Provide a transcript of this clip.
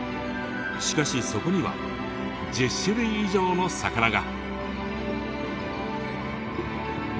しかしそこには１０種類以上の魚が。